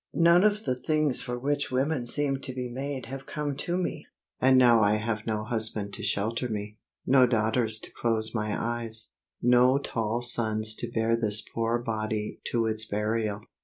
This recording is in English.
None of the things for which women seem to be made have come to me. And now I have no husband to shelter me; no daughters to close my eyes; no tall sons to bear this poor body to its burial.